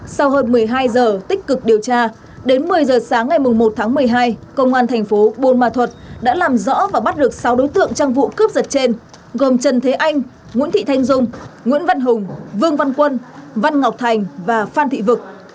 trong hơn một mươi hai giờ tích cực điều tra đến một mươi giờ sáng ngày một tháng một mươi hai cơ quan tp cao bằng đã làm rõ và bắt được sáu đối tượng trong vụ cướp giật trên gồm trần thế anh nguyễn thị thanh dung nguyễn văn hùng vương văn quân văn ngọc thành và phan thị vực